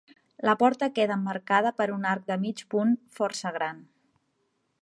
La porta queda emmarcada per un arc de mig punt força gran.